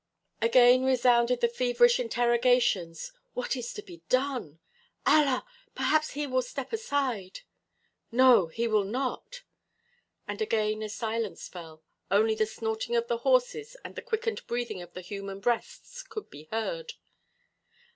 Again resounded the feverish interrogations: "What is to be done?" "Allah! Perhaps he will step aside." "No, he will not." And again a silence fell. Only the snorting of the horses and the quickened breathing of the human breasts could be heard.